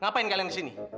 ngapain kalian di sini